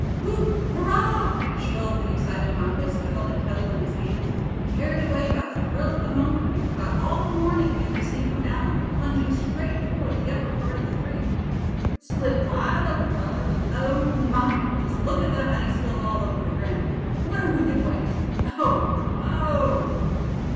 "Whoop! Hurrah!" shrilled the excited Bumpus, who held a kettle in his hands; and carried away by the thrill of the moment, he forgot all the warning he had received from Allan, plunging straight toward the upper part of the tree. "Split wide open, fellers, and oh! my, just look at the honey spilled all over the ground! What a wicked waste. Oh! Oh!"